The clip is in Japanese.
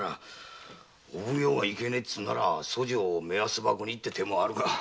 お奉行がいけねぇってなら訴状を目安箱にっていう手もあるが。